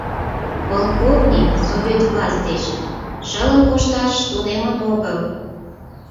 — Полковник Совет власть деч шылын кошташ тунемын огыл!